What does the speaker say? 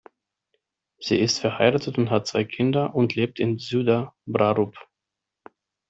Sie ist verheiratet und hat zwei Kinder und lebt in Süderbrarup.